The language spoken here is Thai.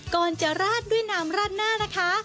ก่อนจะราดด้วยน้ำราดหน้านะคะ